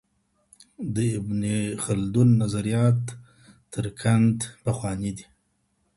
د ابن خلدون نظریات تر کنت پخواني دي.